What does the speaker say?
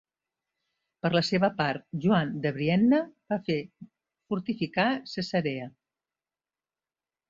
Per la seva part, Joan de Brienne va fer fortificar Cesarea.